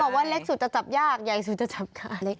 เขาบอกว่าเล็กสุดจะจับยากใหญ่สุดจะจับกาย